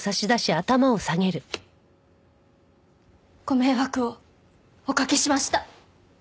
ご迷惑をおかけしました。